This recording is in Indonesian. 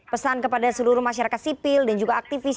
pesan kepada seluruh masyarakat sipil dan juga aktivis